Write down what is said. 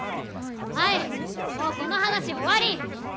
はいもうこの話終わり！